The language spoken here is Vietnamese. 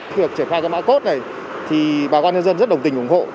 việc triển khoa cho mã code này thì bà quan nhân dân rất đồng tình ủng hộ